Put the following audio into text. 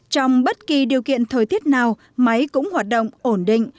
trong bất kỳ điều kiện thời tiết nào máy cũng hoạt động ổn định